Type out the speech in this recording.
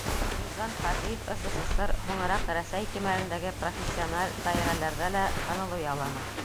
Ризван Хажиев СССР, һуңыраҡ Рәсәй кимәлендәге профессиональ даирәләрҙә лә танылыу яуланы.